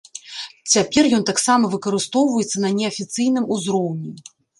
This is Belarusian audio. Цяпер ён таксама выкарыстоўваецца на неафіцыйным узроўні.